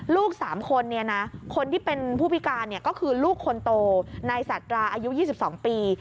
ลูก๓คนคนที่เป็นผู้พิการก็คือลูกคนโตนายสัตราอายุ๒๒ปี